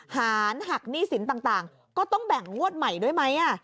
หารหักหนี้สินต่างก็ต้องแบ่งงวดใหม่ด้วยไหม